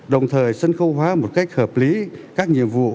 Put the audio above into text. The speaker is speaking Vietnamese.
đồng thời sân khâu hóa một cách hợp lý các nhiệm vụ